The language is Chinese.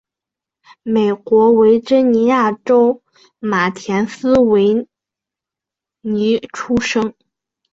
美国维珍尼亚州马田斯维尔出生。